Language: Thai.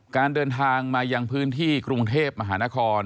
การเดินทางมายังพื้นที่กรุงเทพมหานคร